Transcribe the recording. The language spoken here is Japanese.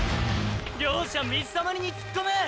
両者水たまりに突っ込む！！